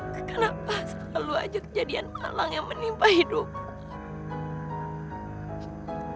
kenapa selalu aja kejadian malang yang menimpa hidup